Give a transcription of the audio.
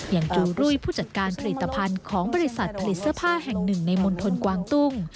จูรุยผู้จัดการผลิตภัณฑ์ของบริษัทผลิตเสื้อผ้าแห่งหนึ่งในมณฑลกวางตุ้ง